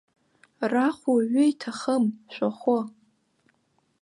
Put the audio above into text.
Рахә уаҩы иҭахым, шәахәы.